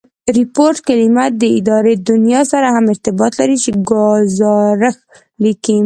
ریپوټ کلیمه د اداري دونیا سره هم ارتباط لري، چي ګوزارښ لیکي.